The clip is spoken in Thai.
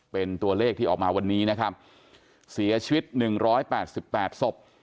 เป็นตัวเลขที่ออกมาวันนี้นะครับเสียชีวิต๑๘๘ศพ